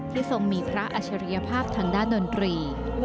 ที่สมมุติพระอัชริยภาพทางด้านดนตรี